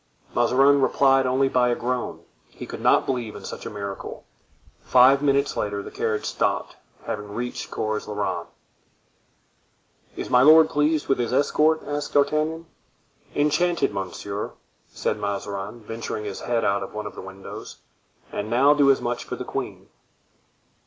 Mazarin replied only by a groan; he could not believe in such a miracle. Five minutes later the carriage stopped, having reached Cours la Reine. "Is my lord pleased with his escort?" asked D'Artagnan. "Enchanted, monsieur," said Mazarin, venturing his head out of one of the windows; "and now do as much for the queen."